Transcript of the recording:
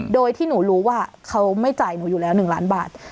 โดยที่หนูรู้ว่าเขาไม่จ่ายหนูอยู่แล้ว๑ล้านบาท